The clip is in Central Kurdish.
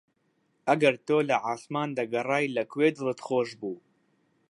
ئەگەر تۆ لە عاسمان دەگەڕای لە کوێ دڵت خۆش بوو؟